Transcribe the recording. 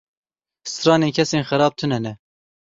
Stranên kesên xerab tune ne.